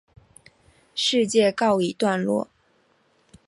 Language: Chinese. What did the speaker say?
事件告一段落。